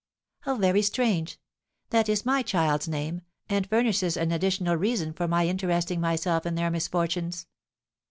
"How very strange! That is my child's name; and furnishes an additional reason for my interesting myself in their misfortunes."